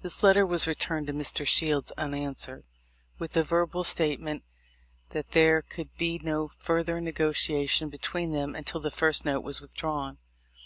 This letter was returned to Mr. Shields unanswered, with a verbal statement 'that there could be no further negotiation be tween them until the first note was withdrawn.'